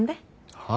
はあ？